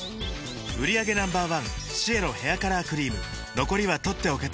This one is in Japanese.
売上№１シエロヘアカラークリーム残りは取っておけて